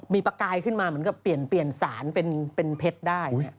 มีประกายขึ้นมาเหมือนกับเปลี่ยนสารเป็นเพชรได้